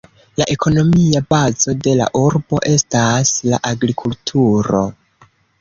La ekonomia bazo de la urbo estas la agrikulturo.